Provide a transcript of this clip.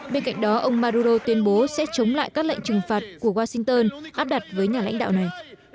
bên cạnh đó ông maduro tuyên bố sẽ chống lại các lệnh trừng phạt của washington áp đặt với nhà lãnh đạo này